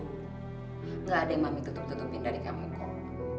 tidak ada yang mami tutup tutupin dari kamu kok